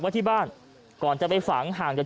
ไว้ที่บ้านก่อนจะไปฝังห่างจาก